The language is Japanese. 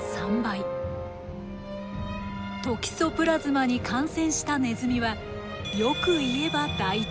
トキソプラズマに感染したネズミはよく言えば大胆。